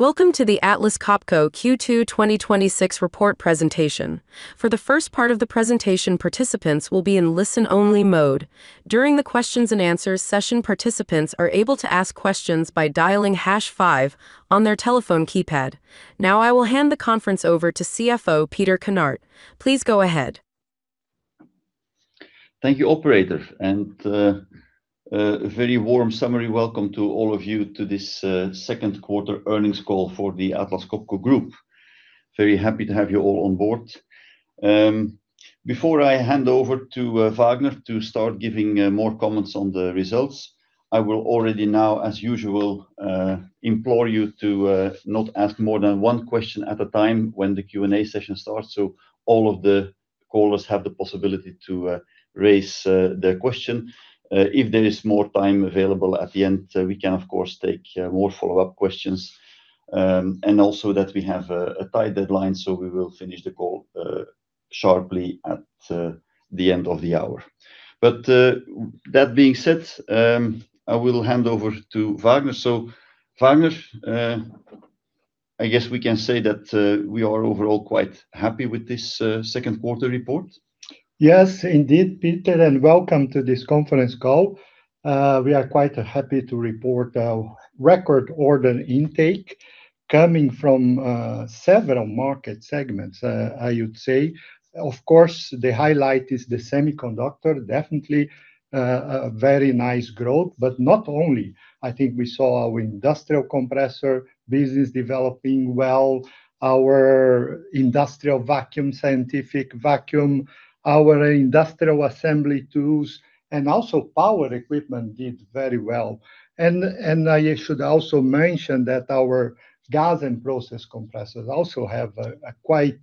Welcome to the Atlas Copco Q2 2026 report presentation. For the first part of the presentation, participants will be in listen-only mode. During the questions-and-answers session, participants are able to ask questions by dialing hash five on their telephone keypad. I will hand the conference over to CFO Peter Kinnart. Please go ahead. Thank you, operator. A very warm summary welcome to all of you to this second quarter earnings call for the Atlas Copco Group. Very happy to have you all on board. Before I hand over to Vagner to start giving more comments on the results, I will already now, as usual, implore you to not ask more than one question at a time when the Q&A session starts, so all of the callers have the possibility to raise their question. If there is more time available at the end, we can of course take more follow-up questions. Also that we have a tight deadline, we will finish the call sharply at the end of the hour. That being said, I will hand over to Vagner. Vagner, I guess we can say that we are overall quite happy with this second quarter report. Yes, indeed, Peter, welcome to this conference call. We are quite happy to report our record order intake coming from several market segments, I would say. Of course, the highlight is the semiconductor, definitely a very nice growth. Not only, I think we saw our industrial compressor business developing well, our industrial vacuum, scientific vacuum, our industrial assembly tools, and also power equipment did very well. I should also mention that our Gas and Process compressors also have a quite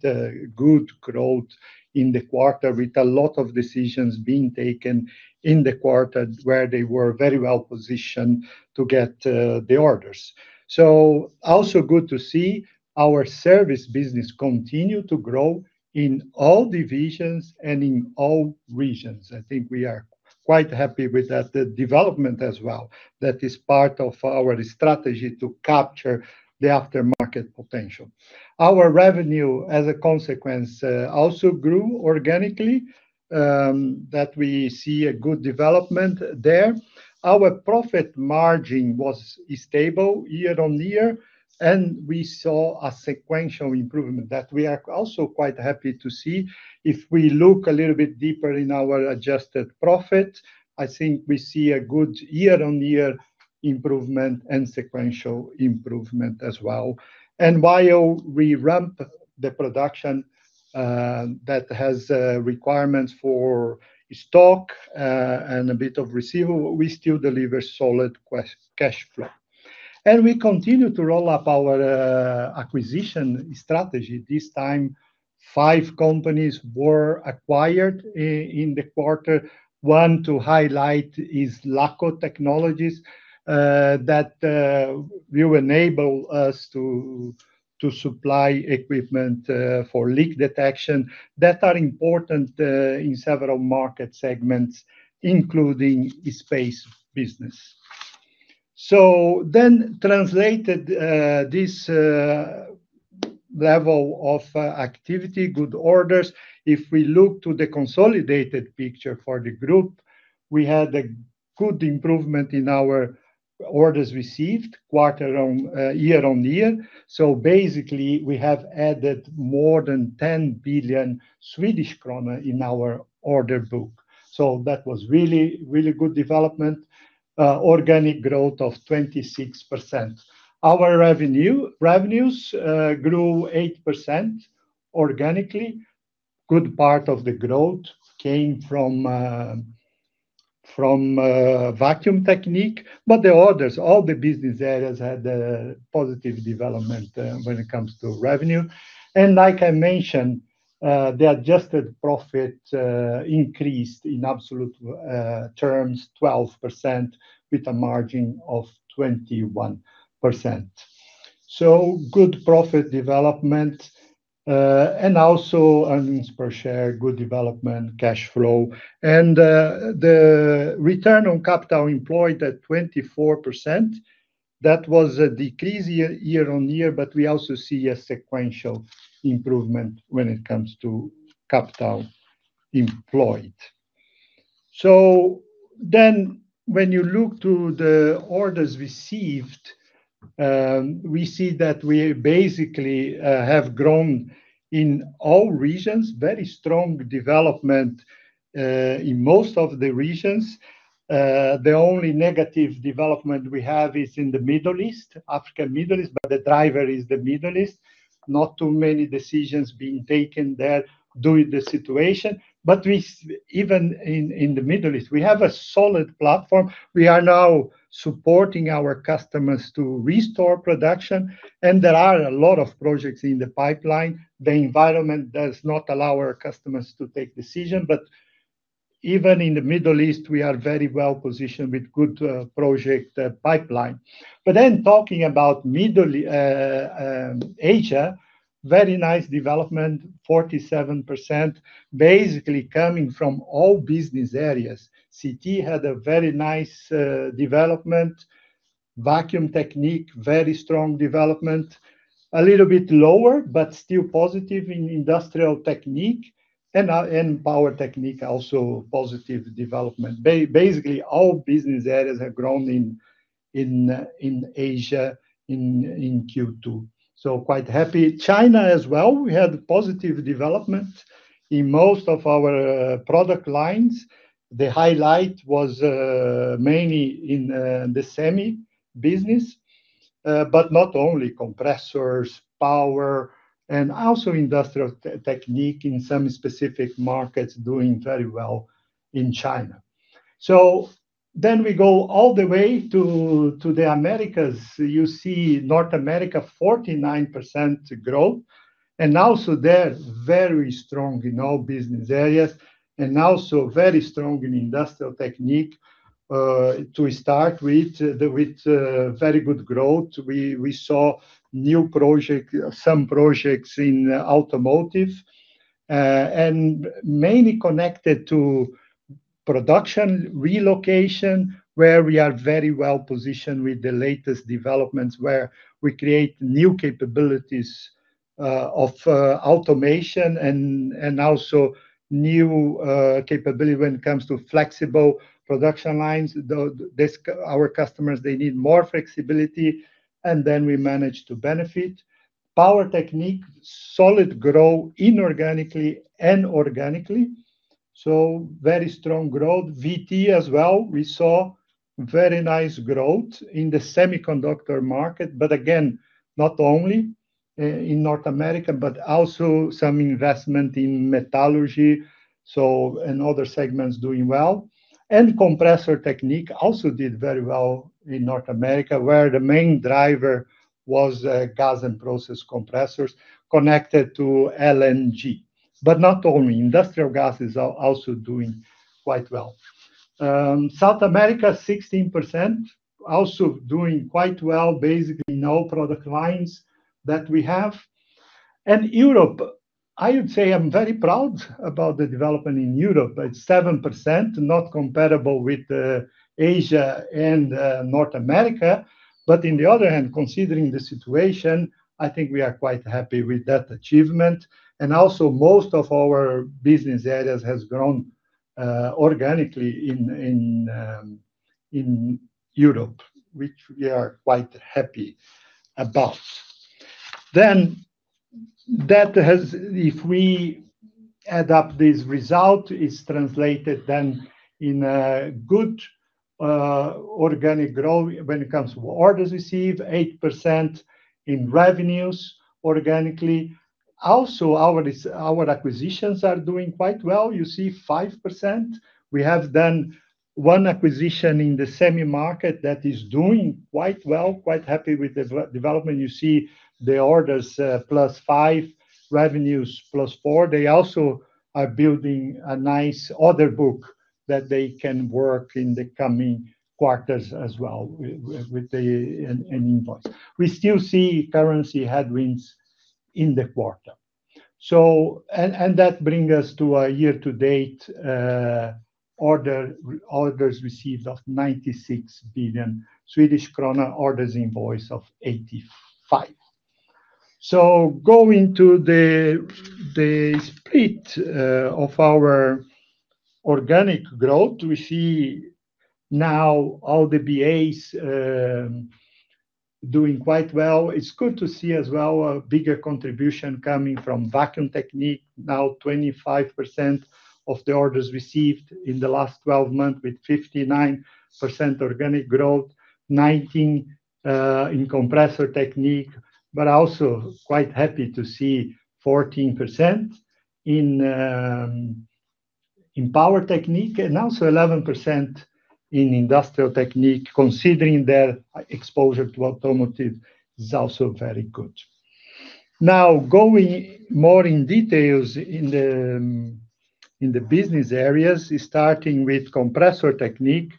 good growth in the quarter, with a lot of decisions being taken in the quarter where they were very well-positioned to get the orders. Also good to see our service business continue to grow in all divisions and in all regions. I think we are quite happy with that development as well. That is part of our strategy to capture the aftermarket potential. Our revenue, as a consequence, also grew organically, that we see a good development there. Our profit margin was stable year-on-year, we saw a sequential improvement that we are also quite happy to see. If we look a little bit deeper in our adjusted profit, I think we see a good year-on-year improvement and sequential improvement as well. While we ramp the production that has requirements for stock and a bit of receivable, we still deliver solid cash flow. We continue to roll up our acquisition strategy. This time, five companies were acquired in the quarter. One to highlight is LACO Technologies, that will enable us to supply equipment for leak detection that are important in several market segments, including space business. Translated this level of activity, good orders. If we look to the consolidated picture for the group, we had a good improvement in our orders received year-over-year. Basically, we have added more than 10 billion Swedish kronor in our order book. That was really good development. Organic growth of 26%. Our revenues grew 8% organically. Good part of the growth came from Vacuum Technique, but the orders, all the Business Areas had a positive development when it comes to revenue. Like I mentioned, the adjusted profit increased in absolute terms 12%, with a margin of 21%. Good profit development, and also earnings per share, good development, cash flow, and the return on capital employed at 24%, that was a decrease year-over-year, but we also see a sequential improvement when it comes to capital employed. When you look to the orders received, we see that we basically have grown in all regions. Very strong development, in most of the regions. The only negative development we have is in the Middle East, Africa, Middle East, but the driver is the Middle East. Not too many decisions being taken there during the situation. Even in the Middle East, we have a solid platform. We are now supporting our customers to restore production, and there are a lot of projects in the pipeline. The environment does not allow our customers to take decision. Even in the Middle East, we are very well-positioned with good project pipeline. Talking about Asia, very nice development, 47%, basically coming from all Business Areas. CT had a very nice development. Vacuum Technique, very strong development. A little bit lower, but still positive in Industrial Technique, and Power Technique, also positive development. Basically, all Business Areas have grown in Asia, in Q2, so quite happy. China as well, we had positive development in most of our product lines. The highlight was mainly in the semi business, but not only. Compressors, Power Technique, and also Industrial Technique in some specific markets doing very well in China. We go all the way to the Americas. You see North America, 49% growth, and also there, very strong in all Business Areas, and also very strong in Industrial Technique. To start with, very good growth. We saw some projects in automotive, and mainly connected to production relocation, where we are very well positioned with the latest developments, where we create new capabilities of automation and also new capability when it comes to flexible production lines. Our customers, they need more flexibility, we manage to benefit. Power Technique, solid growth inorganically and organically. Very strong growth. VT as well. We saw very nice growth in the semiconductor market, but again, not only in North America, but also some investment in metallurgy, and other segments doing well. Compressor Technique also did very well in North America, where the main driver was Gas and Process compressors connected to LNG. Not only. Industrial gas is also doing quite well. South America, 16%, also doing quite well, basically in all product lines that we have. Europe, I would say I'm very proud about the development in Europe. It's 7%, not comparable with Asia and North America. On the other hand, considering the situation, I think we are quite happy with that achievement. Also, most of our Business Areas has grown organically in Europe, which we are quite happy about. If we add up this result, it's translated then in a good organic growth when it comes to orders received, 8% in revenues organically. Also, our acquisitions are doing quite well. You see 5%. We have done one acquisition in the semi market that is doing quite well. Quite happy with the development. You see the orders plus five, revenues plus four. They also are building a nice order book that they can work in the coming quarters as well with the invoice. We still see currency headwinds in the quarter. That bring us to our year-to-date orders received of 96 billion Swedish krona, orders invoice of 85 billion. Going to the split of our organic growth, we see now all the BAs doing quite well. It's good to see as well a bigger contribution coming from Vacuum Technique. Now 25% of the orders received in the last 12 months, with 59% organic growth, 19% in Compressor Technique, also quite happy to see 14% in Power Technique, also 11% in Industrial Technique, considering their exposure to automotive, is also very good. Going more in details in the Business Areas, starting with Compressor Technique.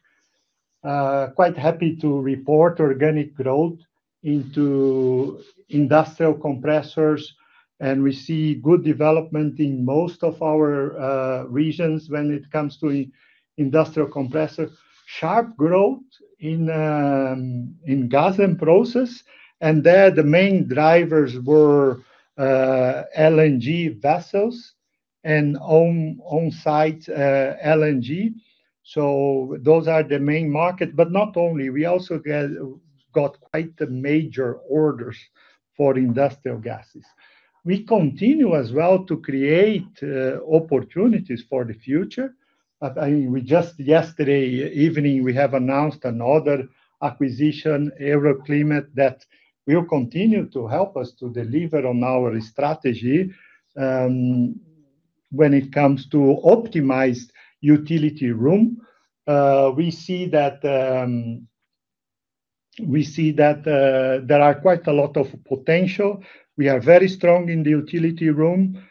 Quite happy to report organic growth into industrial compressors, and we see good development in most of our regions when it comes to industrial compressors. Sharp growth in Gas and Process, and there, the main drivers were LNG vessels and on-site LNG. Those are the main market, but not only. We also got quite the major orders for industrial gases. We continue as well to create opportunities for the future. Just yesterday evening, we have announced another acquisition, Euroklimat, that will continue to help us to deliver on our strategy, when it comes to optimized utility room. We see that there are quite a lot of potential. We are very strong in the utility room,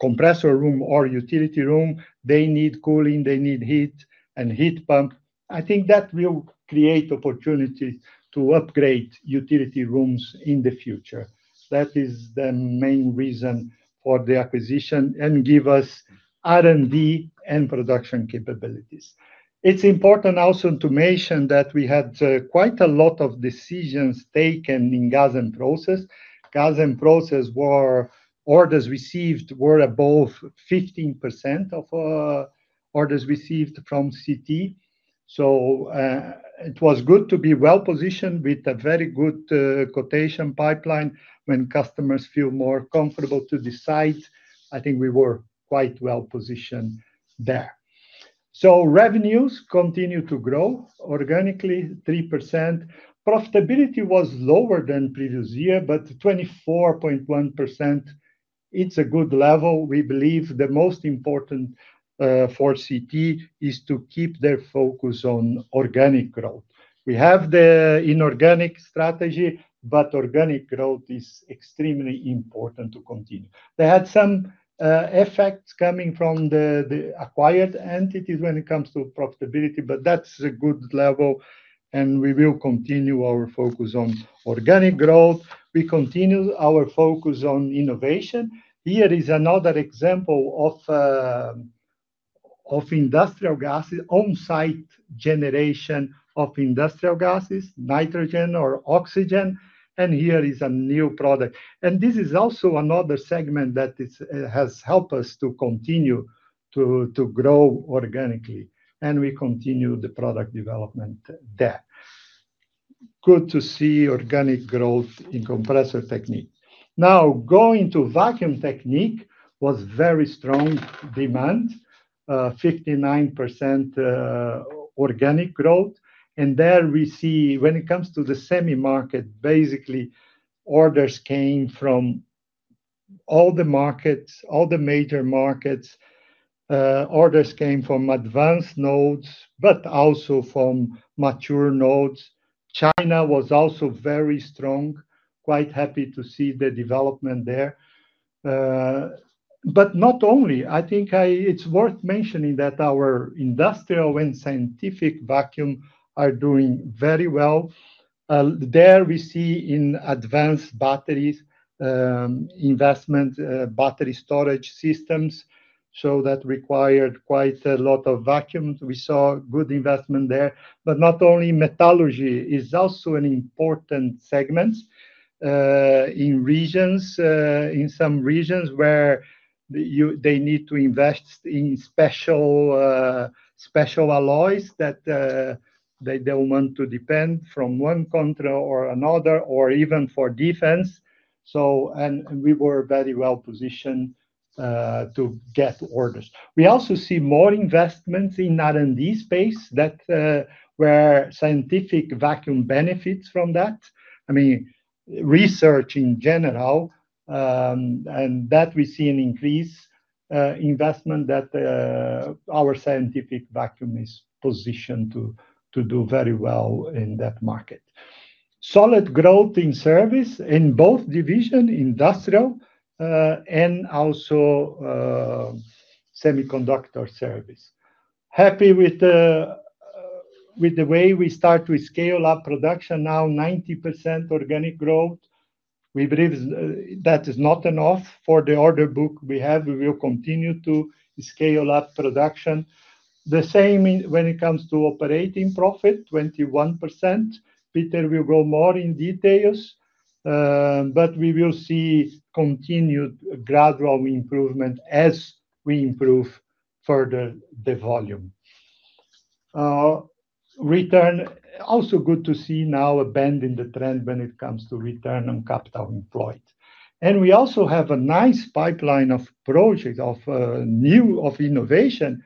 compressor room, or utility room. They need cooling, they need heat and heat pump. I think that will create opportunities to upgrade utility rooms in the future. That is the main reason for the acquisition, and give us R&D and production capabilities. It's important also to mention that we had quite a lot of decisions taken in Gas and Process. Gas and Process orders received were above 15% of orders received from CT. It was good to be well-positioned with a very good quotation pipeline when customers feel more comfortable to decide. I think we were quite well-positioned there. Revenues continue to grow organically 3%. Profitability was lower than previous year, 24.1%, it's a good level. We believe the most important, for CT, is to keep their focus on organic growth. We have the inorganic strategy, organic growth is extremely important to continue. They had some effects coming from the acquired entities when it comes to profitability, that's a good level, and we will continue our focus on organic growth. We continue our focus on innovation. Here is another example of industrial gases, onsite generation of industrial gases, nitrogen or oxygen, and here is a new product. This is also another segment that has helped us to continue to grow organically, and we continue the product development there. Good to see organic growth in Compressor Technique. Going to Vacuum Technique was very strong demand, 59% organic growth. There we see when it comes to the semi market, basically orders came from all the major markets. Orders came from advanced nodes, but also from mature nodes. China was also very strong. Quite happy to see the development there. Not only, I think it's worth mentioning that our industrial and scientific vacuum are doing very well. There we see in advanced batteries investment, battery storage systems. That required quite a lot of vacuums. We saw good investment there. Not only, metallurgy is also an important segment in some regions where they need to invest in special alloys that they don't want to depend from one country or another, or even for defense. We were very well-positioned to get orders. We also see more investments in R&D space where scientific vacuum benefits from that. I mean, research in general, that we see an increase investment that our scientific vacuum is positioned to do very well in that market. Solid growth in service in both division, industrial, and also semiconductor service. Happy with the way we start to scale up production now, 90% organic growth. We believe that is not enough for the order book we have. We will continue to scale up production. The same when it comes to operating profit, 21%. Peter will go more in details. We will see continued gradual improvement as we improve further the volume. Also good to see now a bend in the trend when it comes to return on capital employed. We also have a nice pipeline of projects of innovation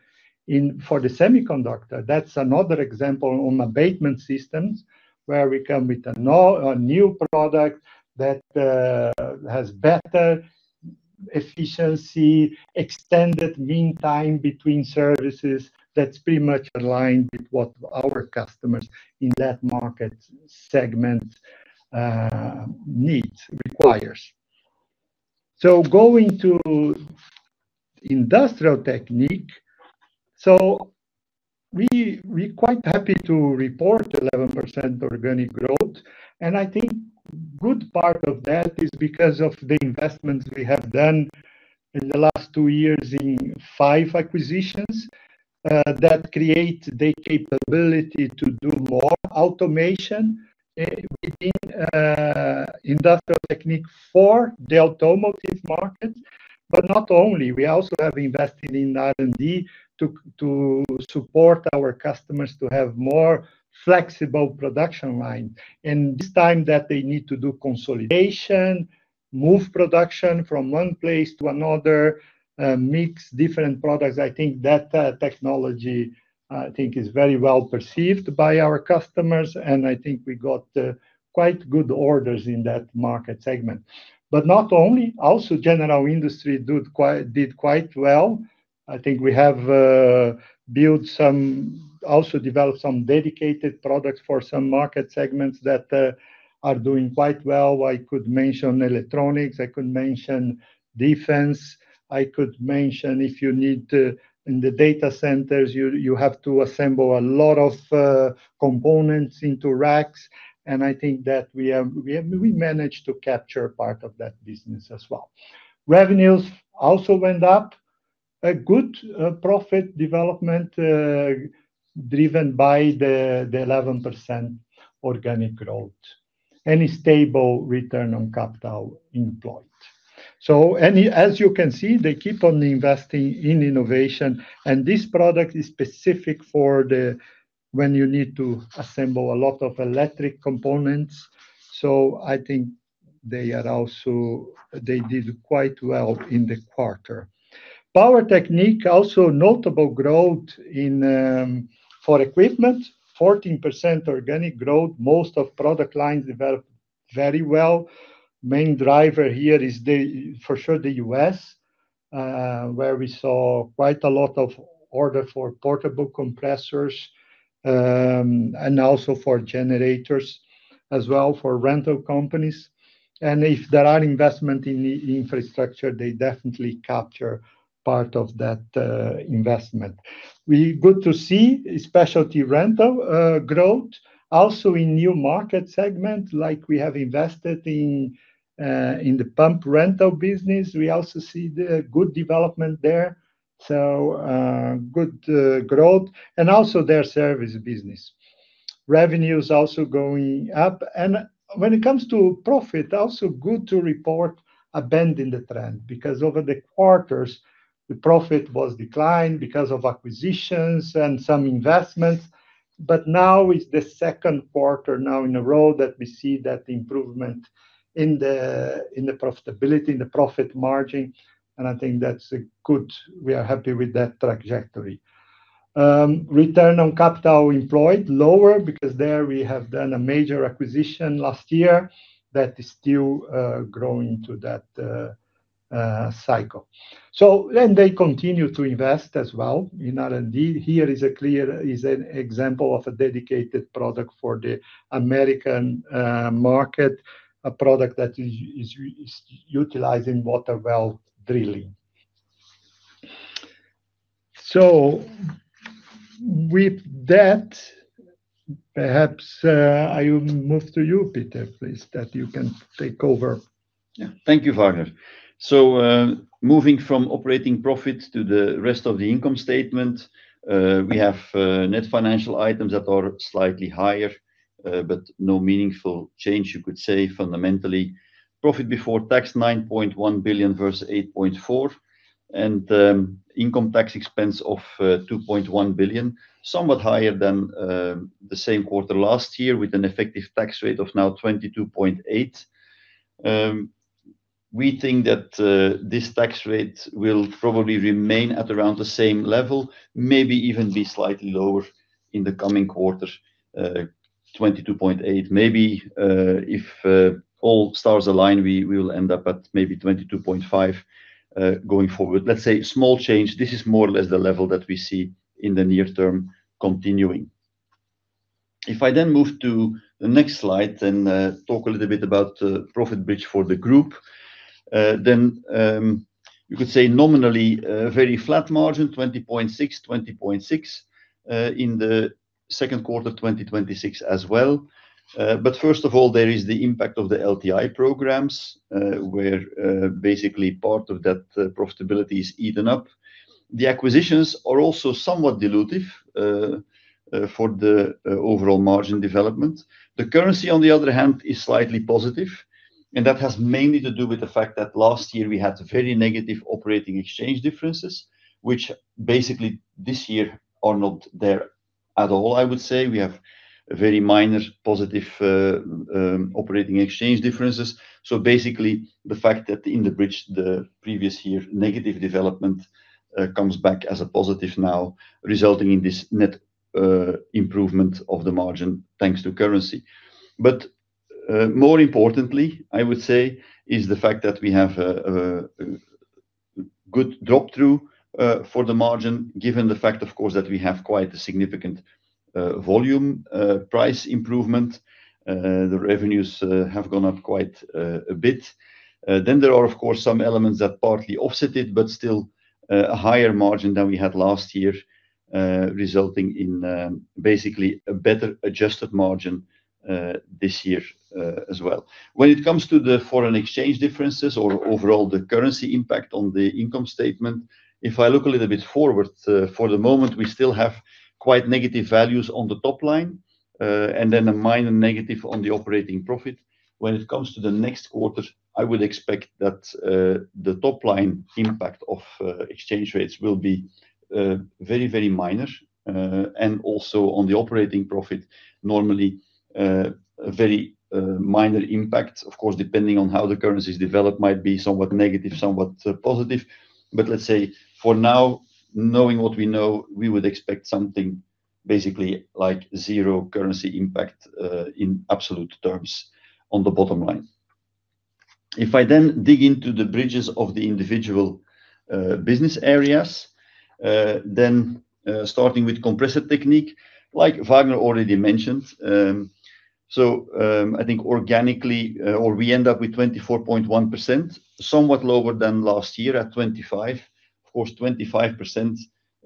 for the semiconductor. That's another example on abatement systems, where we come with a new product that has better efficiency, extended mean time between services. That's pretty much aligned with what our customers in that market segment needs, requires. Going to Industrial Technique. We're quite happy to report 11% organic growth. I think good part of that is because of the investments we have done in the last two years in five acquisitions, that create the capability to do more automation within Industrial Technique for the automotive market. Not only, we also have invested in R&D to support our customers to have more flexible production line. In this time that they need to do consolidation, move production from one place to another, mix different products. I think that technology is very well-perceived by our customers, I think we got quite good orders in that market segment. Not only, also general industry did quite well. I think we have also developed some dedicated products for some market segments that are doing quite well. I could mention electronics, I could mention defense. I could mention if you need in the data centers, you have to assemble a lot of components into racks. I think that we managed to capture part of that business as well. Revenues also went up, a good profit development driven by the 11% organic growth and a stable return on capital employed. As you can see, they keep on investing in innovation, and this product is specific for when you need to assemble a lot of electric components. I think they did quite well in the quarter. Power Technique, also notable growth for equipment, 14% organic growth. Most of product lines developed very well. Main driver here is for sure the U.S., where we saw quite a lot of order for portable compressors, and also for generators as well for rental companies. If there are investments in infrastructure, they definitely capture part of that investment. Good to see specialty rental growth also in new market segments like we have invested in the pump rental business. We also see good development there. Good growth, and also their service business. Revenues also going up. When it comes to profit, also good to report a bend in the trend, because over the quarters the profit was declined because of acquisitions and some investments. Now it's the second quarter in a row that we see that improvement in the profitability, in the profit margin. I think that's good. We are happy with that trajectory. Return on capital employed lower because there we have done a major acquisition last year that is still growing into that cycle. They continue to invest as well in R&D. Here is a clear example of a dedicated product for the American market, a product that is utilizing water well drilling. With that, perhaps I will move to you, Peter, please, that you can take over. Thank you, Vagner. Moving from operating profit to the rest of the income statement. We have net financial items that are slightly higher, but no meaningful change you could say fundamentally. Profit before tax 9.1 billion versus 8.4 billion, and income tax expense of 2.1 billion, somewhat higher than the same quarter last year, with an effective tax rate of now 22.8%. We think that this tax rate will probably remain at around the same level, maybe even be slightly lower in the coming quarter, 22.8%. Maybe if all stars align, we will end up at maybe 22.5%, going forward. Let's say small change. This is more or less the level that we see in the near term continuing. If I then move to the next slide, then talk a little bit about the profit bridge for the group. You could say nominally very flat margin, 20.6% in the second quarter 2026 as well. First of all, there is the impact of the LTI programs, where basically part of that profitability is eaten up. The acquisitions are also somewhat dilutive for the overall margin development. The currency, on the other hand, is slightly positive, and that has mainly to do with the fact that last year we had very negative operating exchange differences, which basically this year are not there at all, I would say. We have very minor positive operating exchange differences. Basically, the fact that in the bridge the previous year negative development comes back as a positive now resulting in this net improvement of the margin thanks to currency. More importantly, I would say is the fact that we have a good drop-through for the margin, given the fact, of course, that we have quite a significant volume price improvement. The revenues have gone up quite a bit. There are, of course, some elements that partly offset it, but still a higher margin than we had last year, resulting in basically a better adjusted margin this year as well. When it comes to the foreign exchange differences or overall the currency impact on the income statement, if I look a little bit forward, for the moment, we still have quite negative values on the top line, and then a minor negative on the operating profit. When it comes to the next quarter, I would expect that the top-line impact of exchange rates will be very, very minor. Also on the operating profit, normally, very minor impact, of course, depending on how the currencies develop, might be somewhat negative, somewhat positive. Let's say for now, knowing what we know, we would expect something basically like zero currency impact, in absolute terms, on the bottom line. If I then dig into the bridges of the individual Business Areas, starting with Compressor Technique, like Vagner already mentioned. I think organically, or we end up with 24.1%, somewhat lower than last year at 25%. Of course, 25%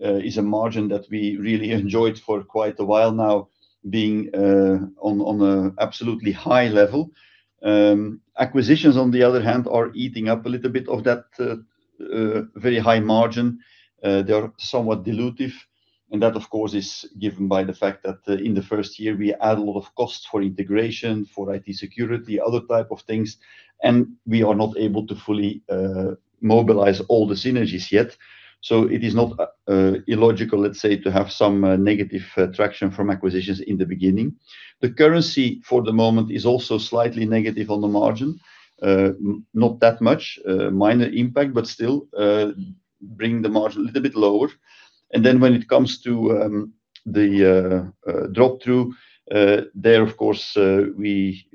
is a margin that we really enjoyed for quite a while now, being on an absolutely high level. Acquisitions, on the other hand, are eating up a little bit of that very high margin. They are somewhat dilutive, and that, of course, is given by the fact that in the first year, we add a lot of costs for integration, for IT security, other type of things, and we are not able to fully mobilize all the synergies yet. It is not illogical, let's say, to have some negative traction from acquisitions in the beginning. The currency for the moment is also slightly negative on the margin. Not that much, minor impact, but still bringing the margin a little bit lower. Then when it comes to the drop-through, there, of course, we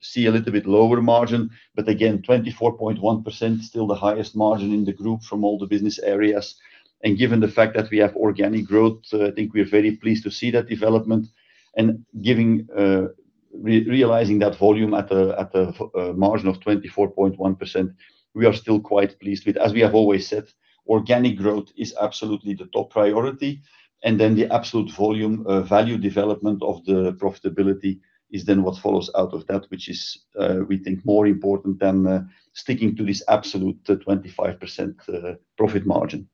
see a little bit lower margin, but again, 24.1%, still the highest margin in the group from all the Business Areas. Given the fact that we have organic growth, I think we're very pleased to see that development. Realizing that volume at the margin of 24.1%, we are still quite pleased with. As we have always said, organic growth is absolutely the top priority, then the absolute volume value development of the profitability is then what follows out of that, which is, we think, more important than sticking to this absolute 25% profit margin.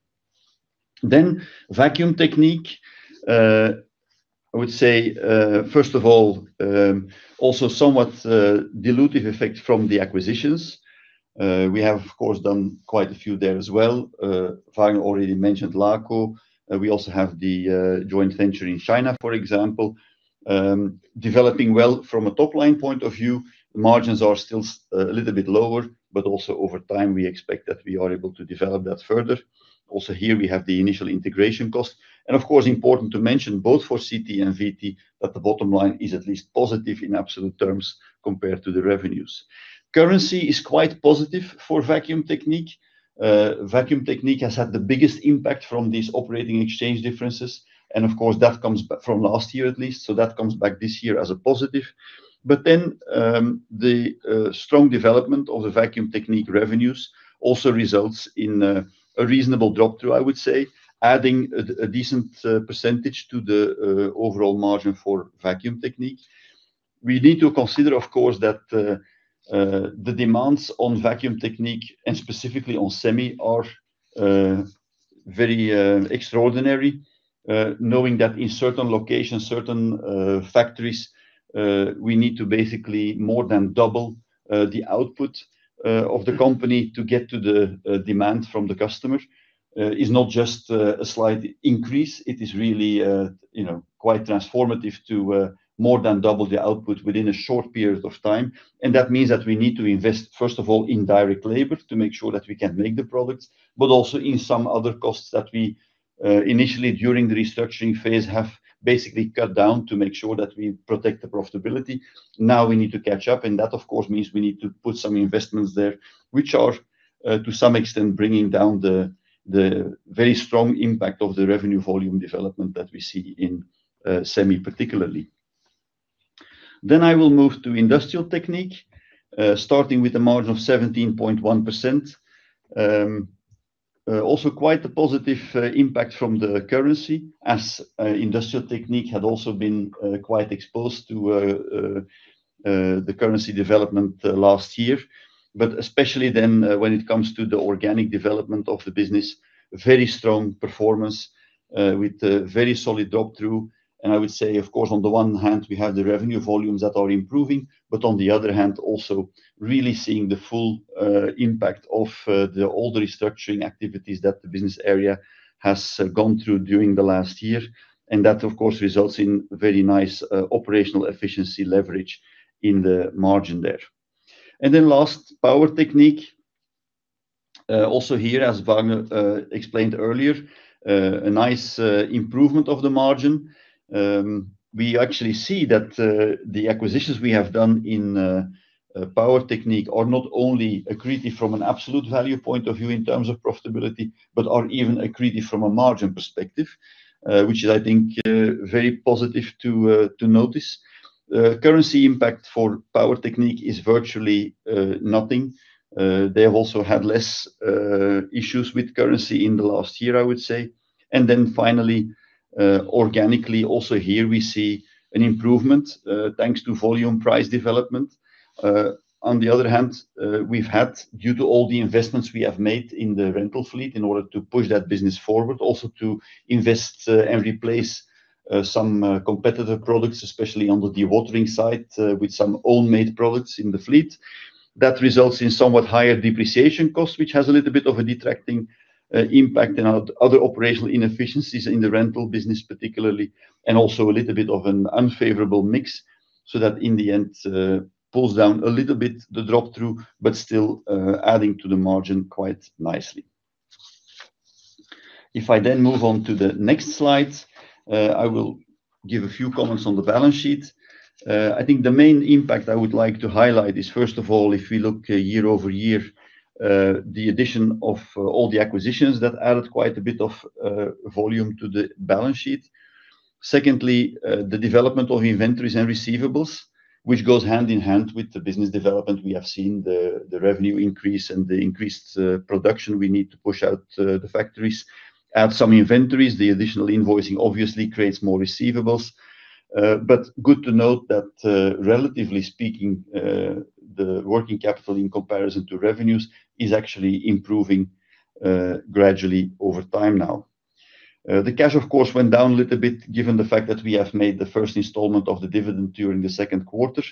Vacuum Technique. I would say, first of all, also somewhat dilutive effect from the acquisitions. We have, of course, done quite a few there as well. Vagner already mentioned LACO. We also have the joint venture in China, for example, developing well from a top-line point of view. The margins are still a little bit lower, but also over time, we expect that we are able to develop that further. Also here, we have the initial integration cost, and of course, important to mention both for CT and VT, that the bottom line is at least positive in absolute terms compared to the revenues. Currency is quite positive for Vacuum Technique. Vacuum Technique has had the biggest impact from these operating exchange differences, and of course, that comes from last year at least, so that comes back this year as a positive. The strong development of the Vacuum Technique revenues also results in a reasonable drop-through, I would say, adding a decent percentage to the overall margin for Vacuum Technique. We need to consider, of course, that the demands on Vacuum Technique, and specifically on semi, are very extraordinary. Knowing that in certain locations, certain factories, we need to basically more than double the output of the company to get to the demand from the customer. It's not just a slight increase. It is really quite transformative to more than double the output within a short period of time. That means that we need to invest, first of all, in direct labor to make sure that we can make the products, but also in some other costs that we initially, during the restructuring phase, have basically cut down to make sure that we protect the profitability. Now we need to catch up, and that, of course, means we need to put some investments there, which are, to some extent, bringing down the very strong impact of the revenue volume development that we see in semi, particularly. I will move to Industrial Technique, starting with a margin of 17.1%. Also quite a positive impact from the currency, as Industrial Technique had also been quite exposed to the currency development last year. Especially then when it comes to the organic development of the business, very strong performance with a very solid drop-through. I would say, of course, on the one hand, we have the revenue volumes that are improving, but on the other hand, also really seeing the full impact of all the restructuring activities that the business area has gone through during the last year. That, of course, results in very nice operational efficiency leverage in the margin there. Last, Power Technique. Also here, as Vagner explained earlier, a nice improvement of the margin. We actually see that the acquisitions we have done in Power Technique are not only accretive from an absolute value point of view in terms of profitability, but are even accretive from a margin perspective, which is, I think, very positive to notice. Currency impact for Power Technique is virtually nothing. They have also had less issues with currency in the last year, I would say. Finally, organically, also here we see an improvement thanks to volume price development. On the other hand, we've had, due to all the investments we have made in the rental fleet in order to push that business forward, also to invest and replace some competitor products, especially on the dewatering side, with some own-made products in the fleet. That results in somewhat higher depreciation costs, which has a little bit of a detracting impact and other operational inefficiencies in the rental business particularly, and also a little bit of an unfavorable mix, so that in the end, pulls down a little bit the drop-through, but still adding to the margin quite nicely. If I then move on to the next slide, I will give a few comments on the balance sheet. I think the main impact I would like to highlight is, first of all, if we look year-over-year, the addition of all the acquisitions that added quite a bit of volume to the balance sheet. Secondly, the development of inventories and receivables, which goes hand in hand with the business development. We have seen the revenue increase and the increased production. We need to push out the factories, add some inventories. The additional invoicing obviously creates more receivables. Good to note that, relatively speaking, the working capital in comparison to revenues is actually improving gradually over time now. The cash, of course, went down a little bit given the fact that we have made the first installment of the dividend during the second quarter.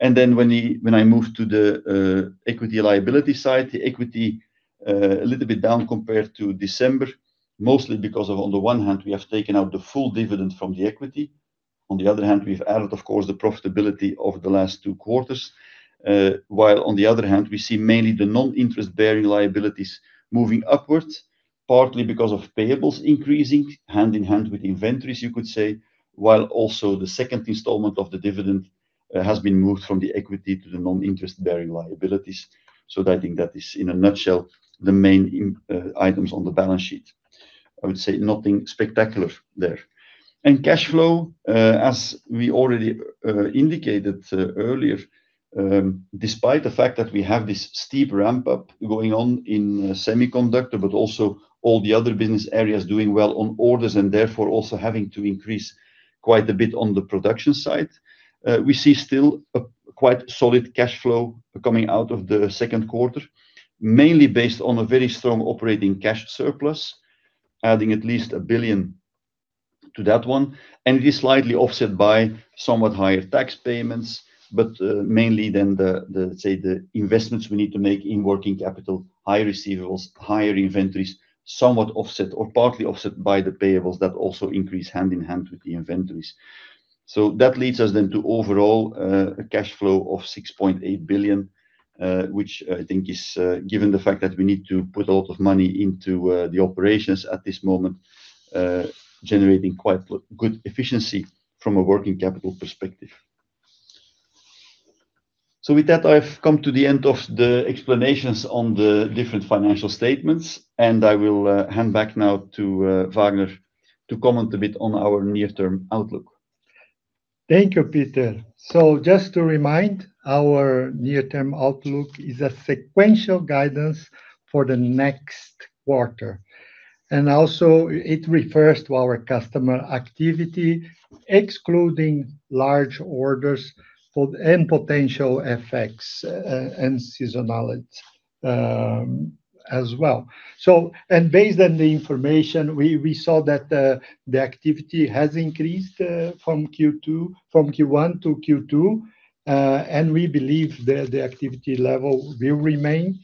When I move to the equity liability side, the equity a little bit down compared to December, mostly because of, on the one hand, we have taken out the full dividend from the equity. On the other hand, we've added, of course, the profitability over the last two quarters. While on the other hand, we see mainly the non-interest bearing liabilities moving upwards, partly because of payables increasing hand in hand with inventories, you could say, while also the second installment of the dividend has been moved from the equity to the non-interest bearing liabilities. I think that is in a nutshell the main items on the balance sheet. I would say nothing spectacular there. Cash flow, as we already indicated earlier, despite the fact that we have this steep ramp-up going on in semiconductor, but also all the other Business Areas doing well on orders and therefore also having to increase quite a bit on the production side. We see still a quite solid cash flow coming out of the second quarter, mainly based on a very strong operating cash surplus, adding at least 1 billion to that one. It is slightly offset by somewhat higher tax payments, mainly then the investments we need to make in working capital, higher receivables, higher inventories, somewhat offset or partly offset by the payables that also increase hand in hand with the inventories. That leads us then to overall cash flow of 6.8 billion, which I think is, given the fact that we need to put a lot of money into the operations at this moment, generating quite good efficiency from a working capital perspective. With that, I've come to the end of the explanations on the different financial statements, and I will hand back now to Vagner to comment a bit on our near-term outlook. Thank you, Peter. Just to remind, our near-term outlook is a sequential guidance for the next quarter, also it refers to our customer activity, excluding large orders for end potential effects and seasonality as well. Based on the information, we saw that the activity has increased from Q1-Q2, and we believe that the activity level will remain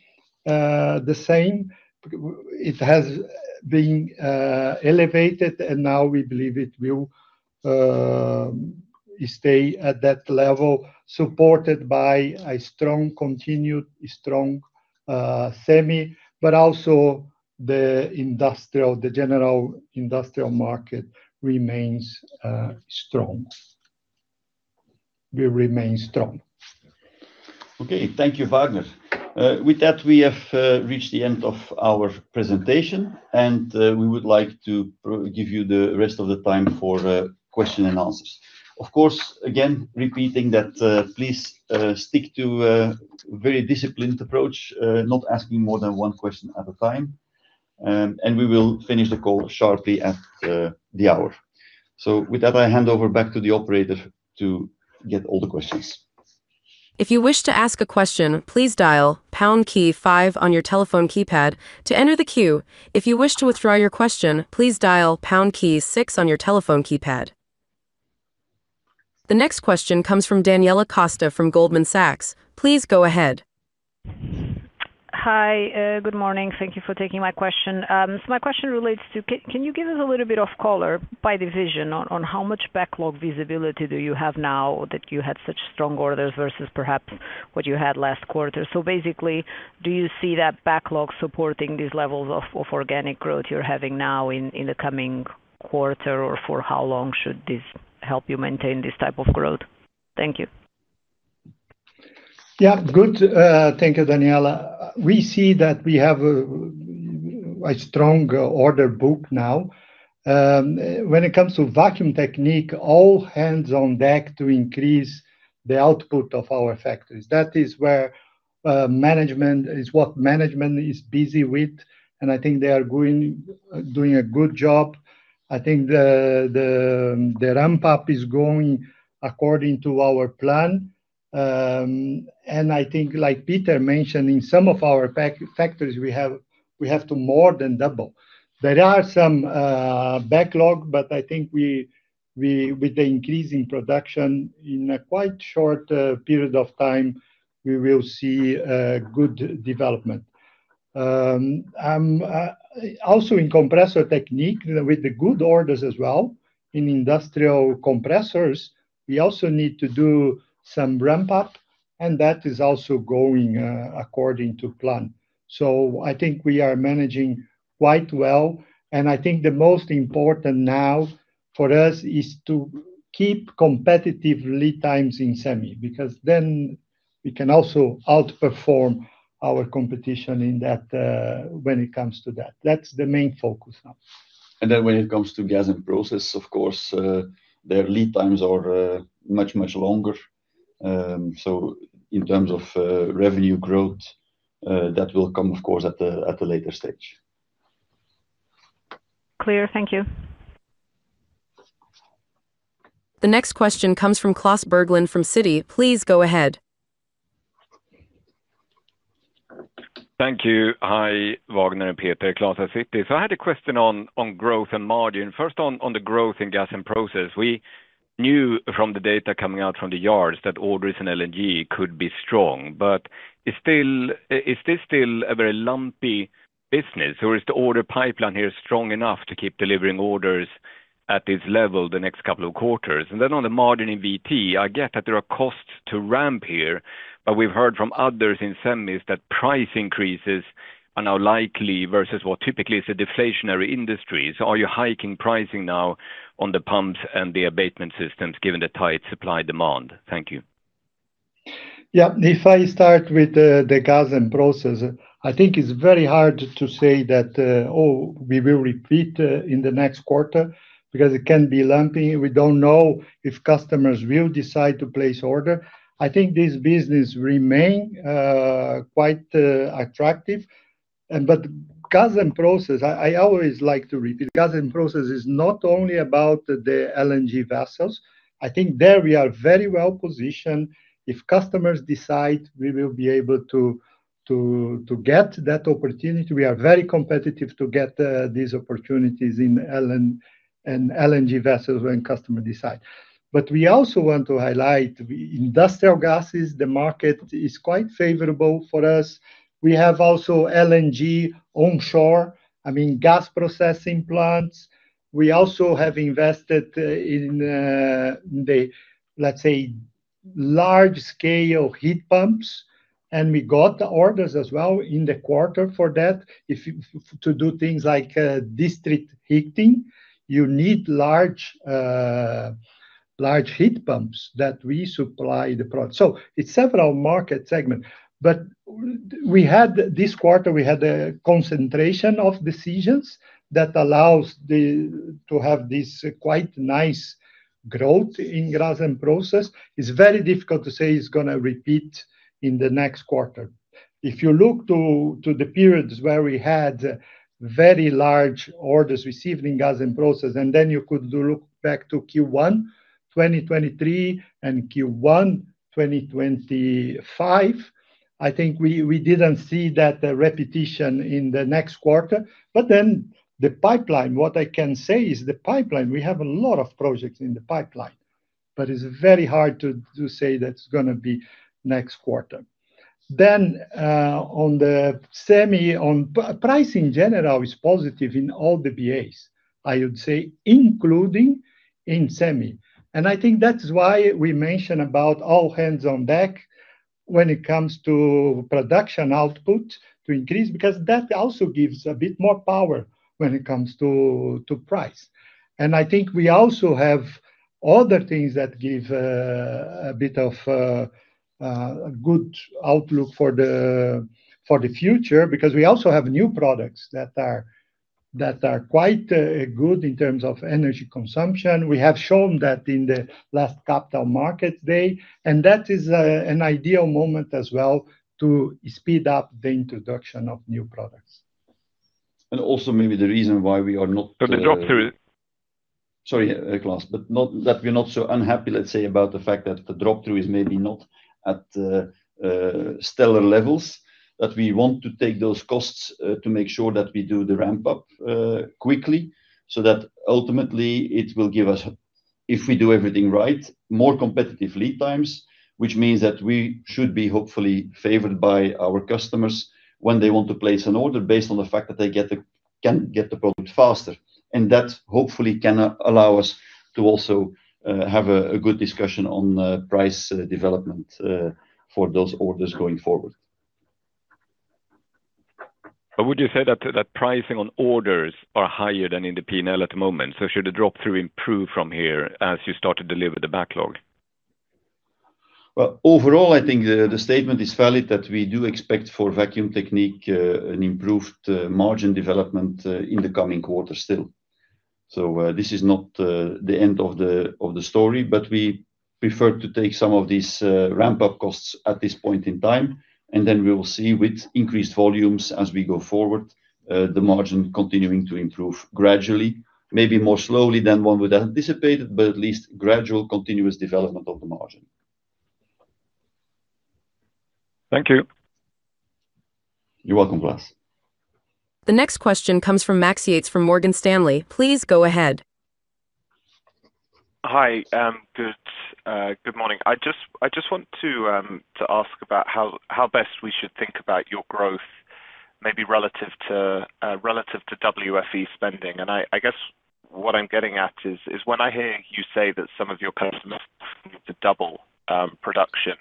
the same. It has been elevated, and now we believe it will stay at that level, supported by a strong continued strong semi, but also the general industrial market remains strong. Will remain strong. Okay. Thank you, Vagner. With that, we have reached the end of our presentation, we would like to give you the rest of the time for question-and-answers. Of course, again, repeating that please stick to a very disciplined approach, not asking more than one question at a time. We will finish the call sharply at the hour. With that, I hand over back to the operator to get all the questions. If you wish to ask a question, please dial pound key five on your telephone keypad to enter the queue. If you wish to withdraw your question, please dial pound key on your telephone keypad. The next question comes from Daniela Costa from Goldman Sachs. Please go ahead. Hi. Good morning. Thank you for taking my question. My question relates to can you give us a little bit of color by division on how much backlog visibility do you have now that you had such strong orders versus perhaps what you had last quarter? Basically, do you see that backlog supporting these levels of organic growth you're having now in the coming quarter, or for how long should this help you maintain this type of growth? Thank you. Good. Thank you, Daniela. We see that we have a strong order book now. When it comes to Vacuum Technique, all hands on deck to increase the output of our factories. That is what management is busy with, and I think they are doing a good job. I think the ramp-up is going according to our plan. I think, like Peter mentioned, in some of our factories, we have to more than double. There are some backlog, but I think with the increase in production in a quite short period of time, we will see good development. In Compressor Technique with the good orders as well. In industrial compressors, we also need to do some ramp-up, and that is also going according to plan. I think we are managing quite well, and I think the most important now for us is to keep competitive lead times in semi, because then we can also outperform our competition when it comes to that. That's the main focus now. When it comes to Gas and Process, of course, their lead times are much, much longer. In terms of revenue growth, that will come, of course, at a later stage. Clear. Thank you. The next question comes from Klas Bergelind from Citi. Please go ahead. Thank you. Hi, Vagner and Peter. Klas at Citi. I had a question on growth and margin. First on the growth in Gas and Process. We knew from the data coming out from the yards that orders in LNG could be strong, but is this still a very lumpy business, or is the order pipeline here strong enough to keep delivering orders at this level the next couple of quarters? And then on the margin in VT, I get that there are costs to ramp here, but we've heard from others in semis that price increases are now likely versus what typically is a deflationary industry. Are you hiking pricing now on the pumps and the abatement systems, given the tight supply-demand? Thank you. Yeah. If I start with the Gas and Process, I think it's very hard to say that, "Oh, we will repeat in the next quarter," because it can be lumpy. We don't know if customers will decide to place order. I think this business remain quite attractive. Gas and Process, I always like to repeat, Gas and Process is not only about the LNG vessels. I think there we are very well-positioned. If customers decide, we will be able to get that opportunity. We are very competitive to get these opportunities in LNG and LNG vessels when customer decide. We also want to highlight industrial gases. The market is quite favorable for us. We have also LNG onshore, gas processing plants. We also have invested in the, let's say, large-scale heat pumps, and we got orders as well in the quarter for that. To do things like district heating, you need large heat pumps that we supply the product. It's several market segments. This quarter, we had a concentration of decisions that allows to have this quite nice growth in Gas and Process. It's very difficult to say it's going to repeat in the next quarter. If you look to the periods where we had very large orders received in Gas and Process, and you could look back to Q1 2023 and Q1 2025, I think we didn't see that repetition in the next quarter. The pipeline, what I can say is the pipeline. We have a lot of projects in the pipeline, but it's very hard to say that it's going to be next quarter. On the semi-- pricing in general is positive in all the BAs, I would say, including in semi. I think that's why we mention about all hands on deck when it comes to production output to increase, because that also gives a bit more power when it comes to price. I think we also have other things that give a bit of a good outlook for the future, because we also have new products that are quite good in terms of energy consumption. We have shown that in the last Capital Markets Day, and that is an ideal moment as well to speed up the introduction of new products. Also maybe the reason why we are not- The drop-through- Sorry, Klas. That we're not so unhappy, let's say, about the fact that the drop-through is maybe not at stellar levels, that we want to take those costs to make sure that we do the ramp-up quickly, so that ultimately it will give us, if we do everything right, more competitive lead times. Which means that we should be hopefully favored by our customers when they want to place an order based on the fact that they can get the product faster. That hopefully can allow us to also have a good discussion on price development for those orders going forward. Would you say that pricing on orders are higher than in the P&L at the moment? Should the drop-through improve from here as you start to deliver the backlog? Well, overall, I think the statement is valid that we do expect for Vacuum Technique an improved margin development in the coming quarter still. This is not the end of the story, we prefer to take some of these ramp-up costs at this point in time, then we will see with increased volumes as we go forward, the margin continuing to improve gradually. Maybe more slowly than one would have anticipated, but at least gradual continuous development of the margin. Thank you. You're welcome, Klas. The next question comes from Max Yates from Morgan Stanley. Please go ahead. Hi. Good morning. I just want to ask about how best we should think about your growth, maybe relative to WFE spending. I guess what I'm getting at is when I hear you say that some of your customers need to double production,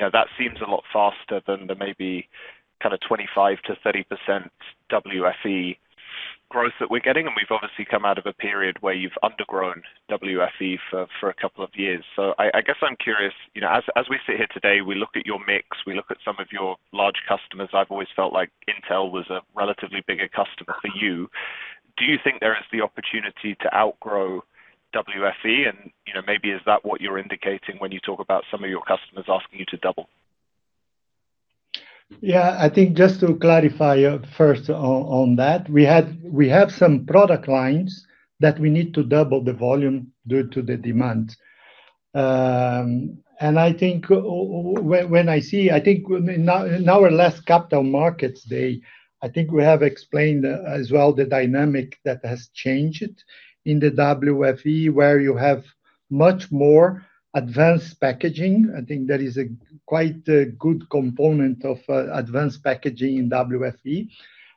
that seems a lot faster than the maybe kind of 25%-30% WFE, growth that we're getting, and we've obviously come out of a period where you've undergrown WFE for a couple of years. I guess I'm curious, as we sit here today, we look at your mix, we look at some of your large customers. I've always felt like Intel was a relatively bigger customer for you. Do you think there is the opportunity to outgrow WFE? Maybe is that what you're indicating when you talk about some of your customers asking you to double? I think just to clarify first on that, we have some product lines that we need to double the volume due to the demand. I think in our last Capital Markets Day, I think we have explained as well the dynamic that has changed in the WFE, where you have much more advanced packaging. I think there is a quite good component of advanced packaging in WFE.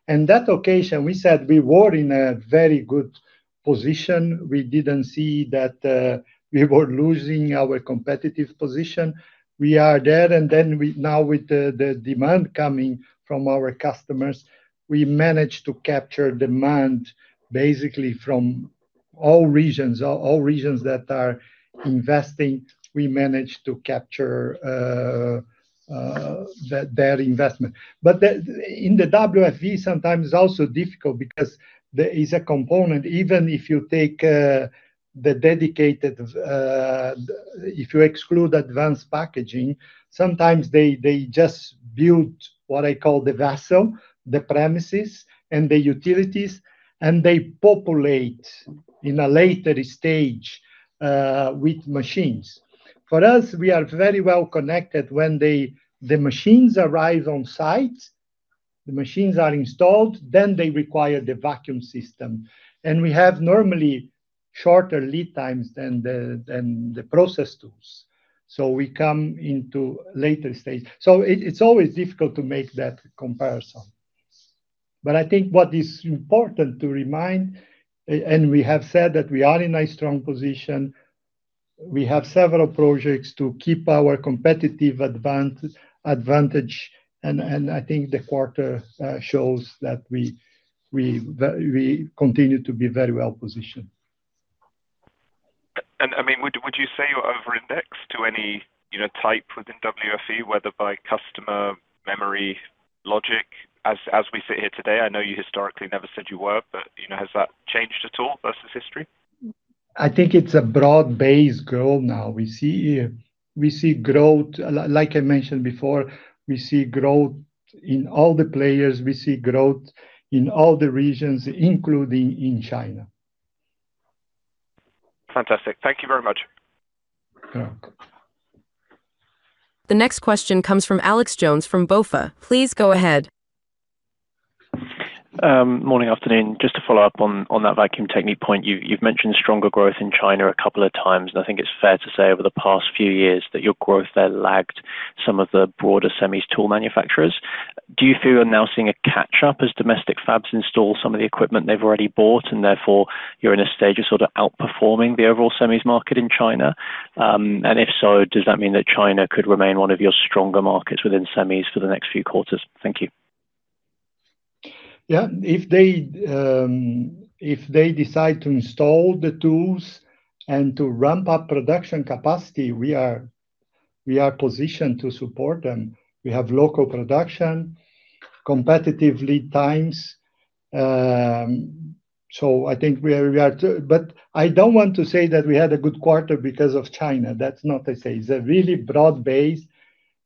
In that occasion, we said we were in a very good position. We didn't see that we were losing our competitive position. We are there, now with the demand coming from our customers, we managed to capture demand basically from all regions. All regions that are investing, we managed to capture their investment. In the WFE, sometimes it's also difficult because there is a component, even if you exclude advanced packaging, sometimes they just build what I call the vessel, the premises, and the utilities, and they populate in a later stage with machines. For us, we are very well connected. When the machines arrive on site, the machines are installed, then they require the vacuum system. We have normally shorter lead times than the process tools. We come into later stage. It's always difficult to make that comparison. I think what is important to remind, and we have said that we are in a strong position. We have several projects to keep our competitive advantage, and I think the quarter shows that we continue to be very well positioned. Would you say you're over-indexed to any type within WFE, whether by customer, memory, logic? As we sit here today, I know you historically never said you were, but has that changed at all versus history? I think it's a broad-based growth now. Like I mentioned before, we see growth in all the players. We see growth in all the regions, including in China. Fantastic. Thank you very much. Yeah. The next question comes from Alex Jones from BofA. Please go ahead. Morning, afternoon. Just to follow up on that Vacuum Technique point. You've mentioned stronger growth in China a couple of times, I think it's fair to say over the past few years that your growth there lagged some of the broader semis tool manufacturers. Do you feel you're now seeing a catch-up as domestic fabs install some of the equipment they've already bought, therefore you're in a stage of sort of outperforming the overall semis market in China? If so, does that mean that China could remain one of your stronger markets within semis for the next few quarters? Thank you. Yeah. If they decide to install the tools and to ramp up production capacity, we are positioned to support them. We have local production, competitive lead times. I don't want to say that we had a good quarter because of China. That's not to say. It's a really broad base.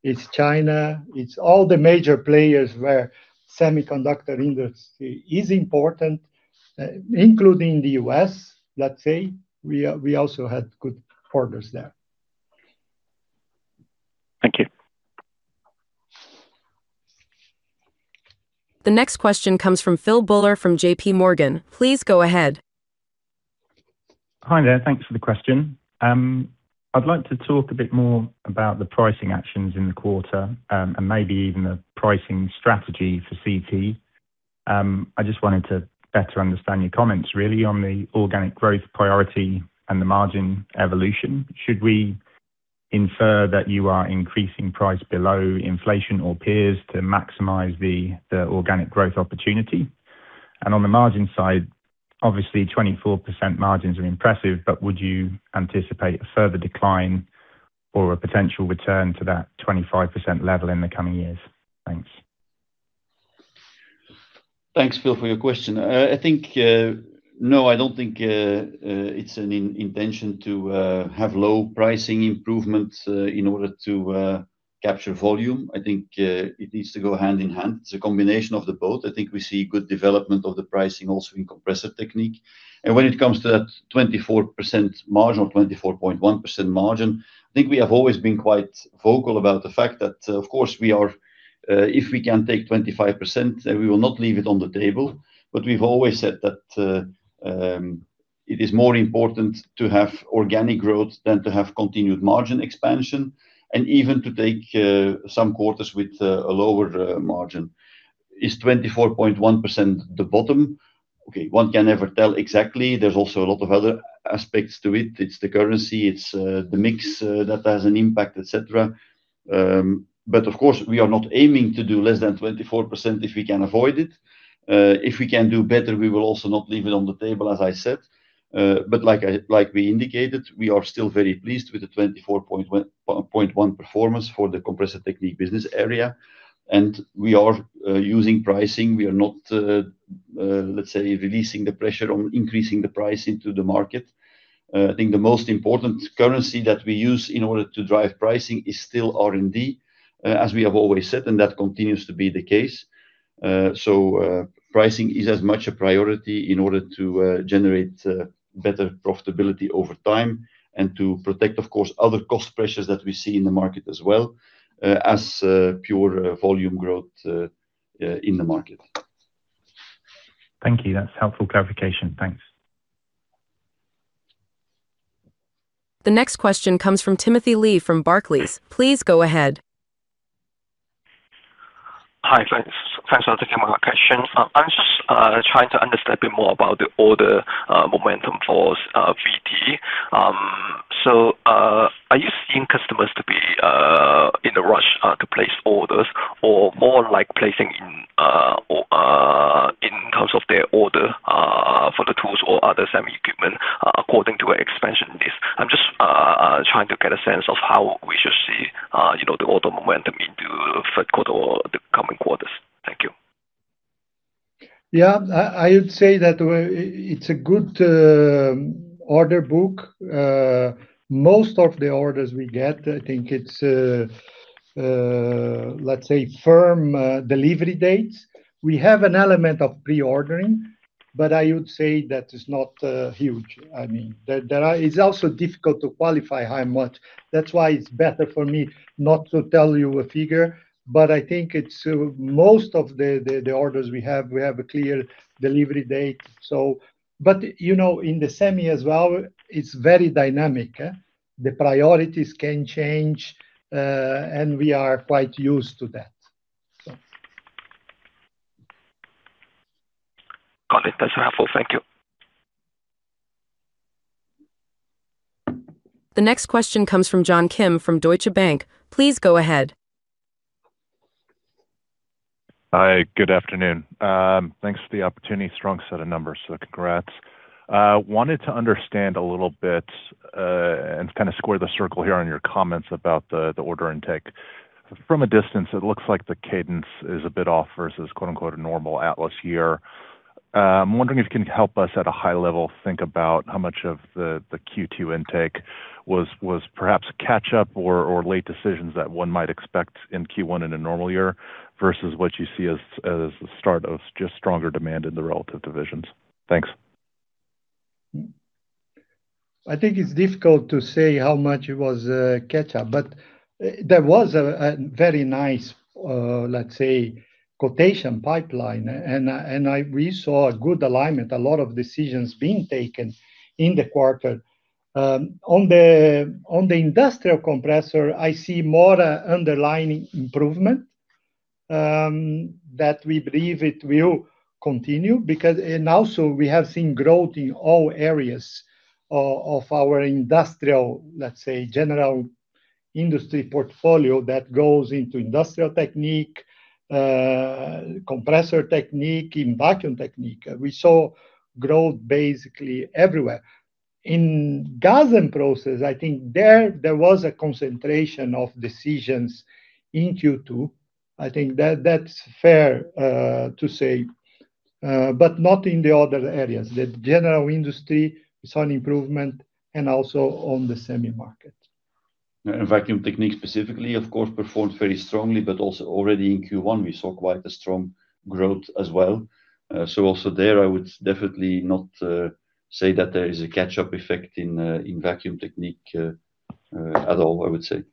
It's China. It's all the major players where semiconductor industry is important, including the U.S., let's say. We also had good quarters there. Thank you. The next question comes from Phil Buller from JPMorgan. Please go ahead. Hi there. Thanks for the question. I'd like to talk a bit more about the pricing actions in the quarter, and maybe even the pricing strategy for CT. I just wanted to better understand your comments really on the organic growth priority and the margin evolution. Should we infer that you are increasing price below inflation or peers to maximize the organic growth opportunity? On the margin side, obviously 24% margins are impressive, but would you anticipate a further decline or a potential return to that 25% level in the coming years? Thanks. Thanks, Phil, for your question. No, I don't think it's an intention to have low pricing improvement in order to capture volume. I think it needs to go hand in hand. It's a combination of the both. I think we see good development of the pricing also in Compressor Technique. When it comes to that 24% margin or 24.1% margin, I think we have always been quite vocal about the fact that, of course, if we can take 25%, we will not leave it on the table. We've always said that it is more important to have organic growth than to have continued margin expansion, and even to take some quarters with a lower margin. Is 24.1% the bottom? Okay. One can never tell exactly. There's also a lot of other aspects to it, it's the currency, it's the mix that has an impact, etc. Of course, we are not aiming to do less than 24% if we can avoid it. If we can do better, we will also not leave it on the table, as I said. Like we indicated, we are still very pleased with the 24.1% performance for the Compressor Technique business area, and we are using pricing. We are not, let's say, releasing the pressure on increasing the price into the market. I think the most important currency that we use in order to drive pricing is still R&D, as we have always said, and that continues to be the case. Pricing is as much a priority in order to generate better profitability over time and to protect, of course, other cost pressures that we see in the market as well, as pure volume growth in the market. Thank you. That's helpful clarification. Thanks. The next question comes from Timothy Lee from Barclays. Please go ahead. Hi. Thanks for taking my question. I'm just trying to understand a bit more about the order momentum for VT. Are you seeing customers to be in a rush to place orders or more like placing in terms of their order for the tools or other semi equipment according to expansion needs? I'm just trying to get a sense of how we should see the order momentum into third quarter or the coming quarters. Thank you. I would say that it's a good order book. Most of the orders we get, I think it's firm delivery dates. We have an element of pre-ordering, but I would say that it's not huge. It's also difficult to qualify how much. That's why it's better for me not to tell you a figure, but I think most of the orders we have, we have a clear delivery date. In the semi as well, it's very dynamic. The priorities can change, and we are quite used to that. Got it. That's helpful. Thank you. The next question comes from John Kim from Deutsche Bank. Please go ahead. Hi. Good afternoon. Thanks for the opportunity. Strong set of numbers, so congrats. I wanted to understand a little bit, and kind of square the circle here on your comments about the order intake. From a distance, it looks like the cadence is a bit off versus, quote-unquote, "a normal Atlas year." I'm wondering if you can help us at a high level, think about how much of the Q2 intake was perhaps catch up or late decisions that one might expect in Q1 in a normal year, versus what you see as the start of just stronger demand in the relative divisions. Thanks. I think it's difficult to say how much it was catch up, there was a very nice, let's say, quotation pipeline, and we saw a good alignment, a lot of decisions being taken in the quarter. On the industrial compressor, I see more underlying improvement, that we believe it will continue because And also we have seen growth in all areas of our industrial, let's say, general industry portfolio that goes into Industrial Technique, Compressor Technique, in Vacuum Technique. We saw growth basically everywhere. In Gas and Process, I think there was a concentration of decisions in Q2. I think that's fair to say. Not in the other areas. The general industry saw an improvement and also on the semi market. Vacuum Technique specifically, of course, performed very strongly, but also already in Q1, we saw quite a strong growth as well. Also there, I would definitely not say that there is a catch-up effect in Vacuum Technique at all, I would say.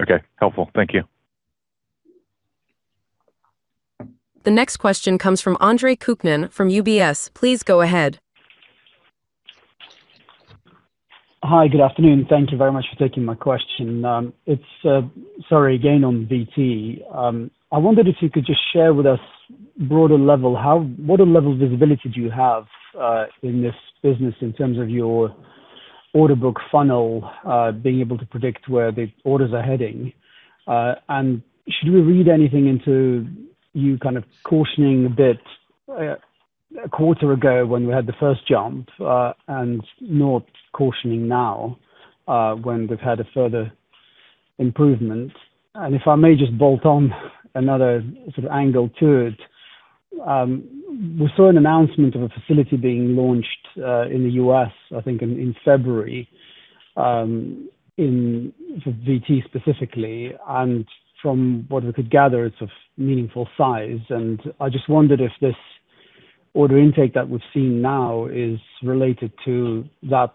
Okay. Helpful. Thank you. The next question comes from Andre Kukhnin from UBS. Please go ahead. Hi. Good afternoon. Thank you very much for taking my question. It's again on VT. I wondered if you could just share with us broader level, what level of visibility do you have in this business in terms of your order book funnel, being able to predict where the orders are heading? Should we read anything into you kind of cautioning a bit, a quarter ago when we had the first jump, and not cautioning now, when we've had a further improvement? If I may just bolt on another sort of angle to it. We saw an announcement of a facility being launched, in the U.S., I think in February, in VT specifically, and from what we could gather, it's of meaningful size. I just wondered if this order intake that we're seeing now is related to that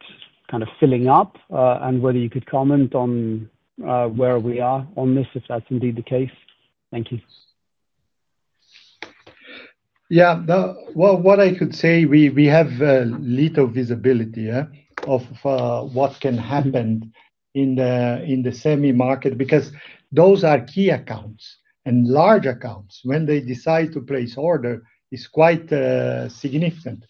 kind of filling up, and whether you could comment on where we are on this, if that's indeed the case. Thank you. Yeah. Well, what I could say, we have little visibility of what can happen in the semi market, because those are key accounts and large accounts. When they decide to place order, it's quite significant.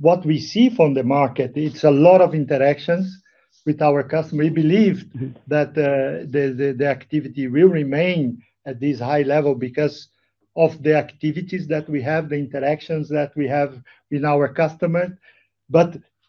What we see from the market, it's a lot of interactions with our customer. We believe that the activity will remain at this high level because of the activities that we have, the interactions that we have with our customer.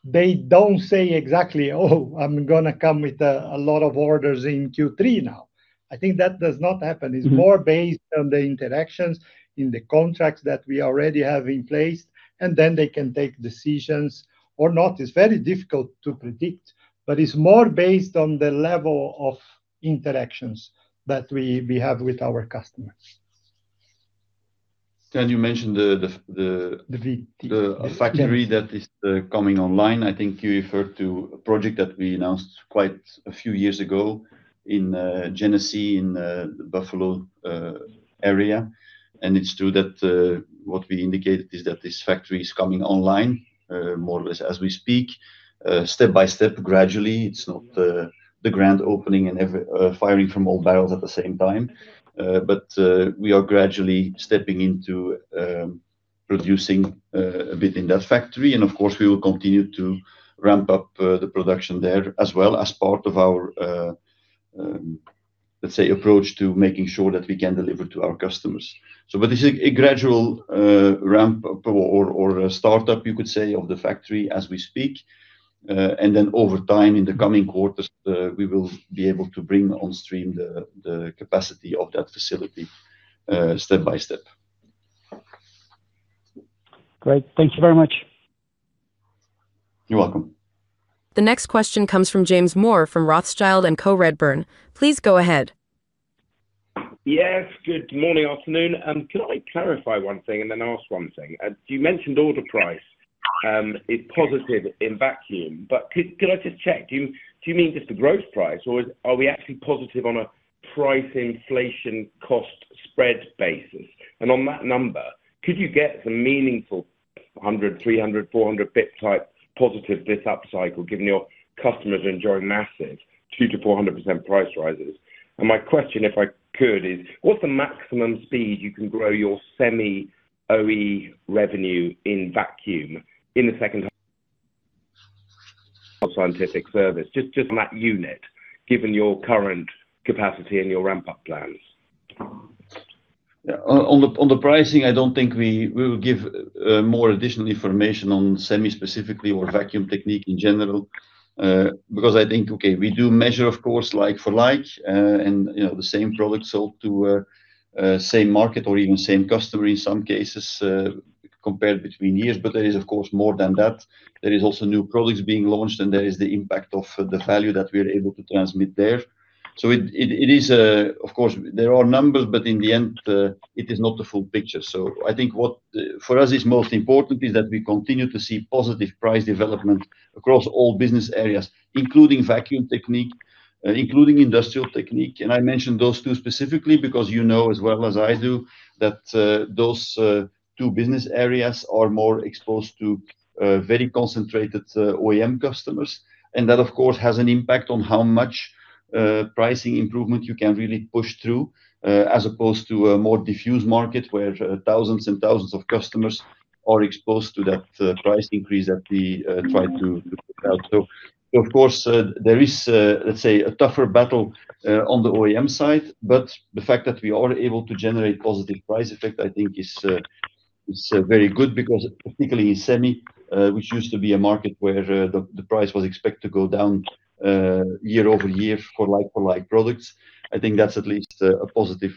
They don't say exactly, "Oh, I'm going to come with a lot of orders in Q3 now." I think that does not happen. It's more based on the interactions in the contracts that we already have in place, and then they can take decisions or not. It's very difficult to predict, but it's more based on the level of interactions that we have with our customers. You mentioned the- The VT. The factory that is coming online. I think you referred to a project that we announced quite a few years ago in Genesee, in the Buffalo area. It's true that what we indicated is that this factory is coming online, more or less as we speak, step by step, gradually. It's not the grand opening and firing from all barrels at the same time. We are gradually stepping into producing a bit in that factory. Of course, we will continue to ramp up the production there as well as part of our, let's say, approach to making sure that we can deliver to our customers. This is a gradual ramp-up or a startup, you could say, of the factory as we speak. Over time, in the coming quarters, we will be able to bring on stream the capacity of that facility step by step. Great. Thank you very much. You're welcome. The next question comes from James Moore from Rothschild & Co Redburn. Please go ahead. Yes. Good morning, afternoon. Can I clarify one thing and then ask one thing? You mentioned order price is positive in Vacuum, but could I just check, do you mean just the gross price, or are we actually positive on a price inflation cost spread basis? On that number, could you get some meaningful 100, 300, 400 bit type positive this upcycle, given your customers are enjoying massive 2%-400% price rises? My question, if I could, is what's the maximum speed you can grow your Semi OEM revenue in Vacuum in the second half of scientific service, just on that unit, given your current capacity and your ramp-up plans? On the pricing, I don't think we will give more additional information on Semi specifically or Vacuum Technique in general, because I think we do measure, of course, like for like, and the same product sold to same market or even same customer in some cases, compared between years. There is, of course, more than that. There is also new products being launched, and there is the impact of the value that we're able to transmit there. It is, of course, there are numbers, but in the end, it is not the full picture. I think what for us is most important is that we continue to see positive price development across all Business Areas, including Vacuum Technique, including Industrial Technique. I mentioned those two specifically because you know as well as I do that those two Business Areas are more exposed to very concentrated OEM customers. That, of course, has an impact on how much pricing improvement you can really push through, as opposed to a more diffused market where thousands and thousands of customers are exposed to that price increase that we try to put out. Of course there is, let's say, a tougher battle on the OEM side, but the fact that we are able to generate positive price effect, I think is very good because particularly in Semi, which used to be a market where the price was expected to go down year-over-year for like for like products. I think that's at least a positive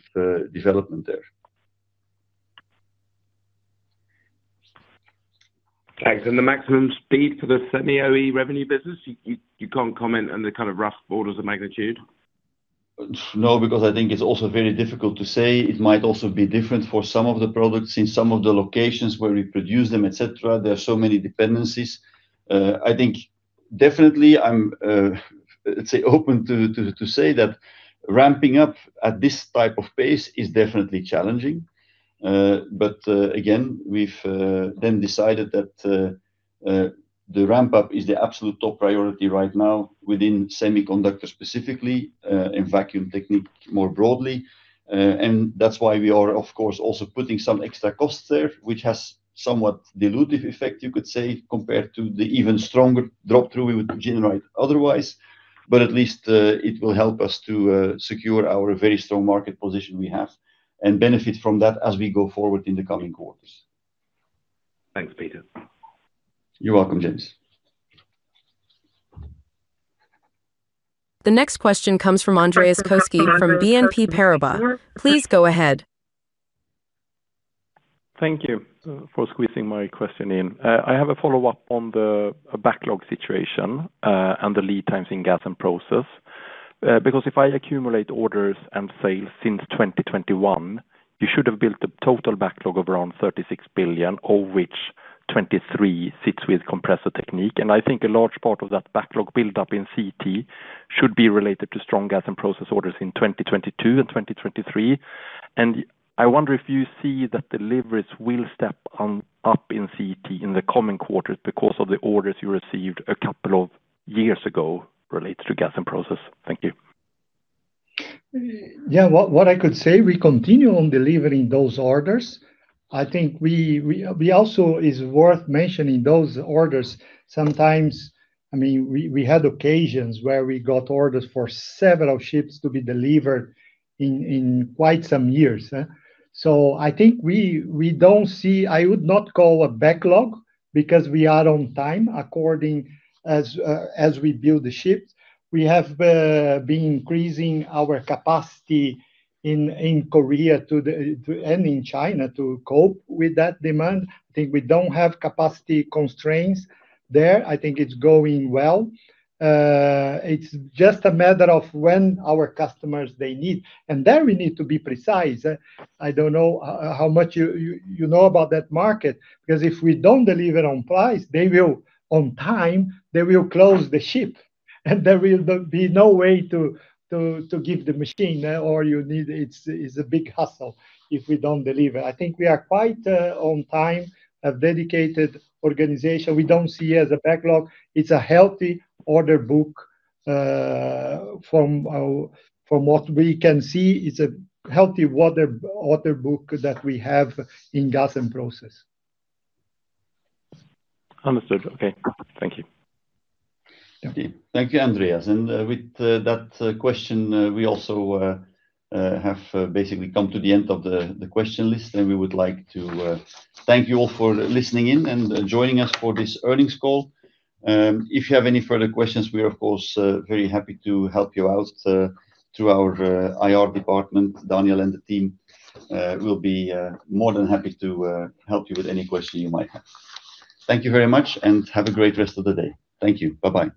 development there. Thanks. The maximum speed for the semi OEM revenue business, you cannot comment on the kind of rough orders of magnitude? No, because I think it is also very difficult to say. It might also be different for some of the products in some of the locations where we produce them, etc. There are so many dependencies. I think definitely I am, let's say, open to say that ramping up at this type of pace is definitely challenging. Again, we have then decided that the ramp-up is the absolute top priority right now within Semiconductor specifically, and Vacuum Technique more broadly. That is why we are, of course, also putting some extra costs there, which has somewhat dilutive effect, you could say, compared to the even stronger drop-through we would generate otherwise. At least it will help us to secure our very strong market position we have and benefit from that as we go forward in the coming quarters. Thanks, Peter. You are welcome, James. The next question comes from Andreas Koski from BNP Paribas. Please go ahead. Thank you for squeezing my question in. I have a follow-up on the backlog situation, and the lead times in Gas and Process. If I accumulate orders and sales since 2021, you should have built a total backlog of around 36 billion, of which 23 billion sits with Compressor Technique. I think a large part of that backlog buildup in CT should be related to strong Gas and Process orders in 2022 and 2023. I wonder if you see that deliveries will step up in CT in the coming quarters because of the orders you received a couple of years ago related to Gas and Process. Thank you. Yeah. What I could say, we continue on delivering those orders. I think also is worth mentioning those orders, sometimes, we had occasions where we got orders for several ships to be delivered in quite some years. I think we don't see, I would not call a backlog because we are on time according as we build the ships. We have been increasing our capacity in Korea and in China to cope with that demand. I think we don't have capacity constraints there. I think it's going well. It's just a matter of when our customers, they need. There we need to be precise. I don't know how much you know about that market, because if we don't deliver on time, they will close the ship, and there will be no way to give the machine. It's a big hustle if we don't deliver. I think we are quite on time, a dedicated organization. We don't see it as a backlog. It's a healthy order book. From what we can see, it's a healthy order book that we have in Gas and Process. Understood. Okay. Thank you. Okay. Thank you, Andreas. With that question, we also have basically come to the end of the question list. We would like to thank you all for listening in and joining us for this earnings call. If you have any further questions, we are, of course, very happy to help you out through our IR department. Daniel and the team will be more than happy to help you with any question you might have. Thank you very much, and have a great rest of the day. Thank you. Bye-bye.